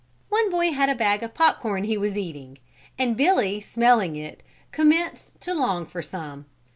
One boy had a bag of pop corn he was eating and Billy smelling it commenced to long for some.